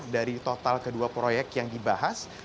dari total kedua proyek yang dibahas